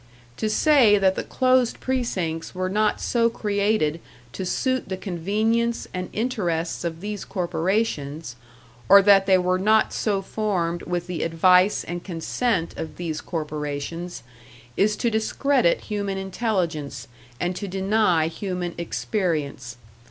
To say that the closed precincts were not so created to suit the convenience and interests of these corporations, or that they were not so formed with the advice and consent of these corporations, is to discredit human intelligence, and to deny human experience.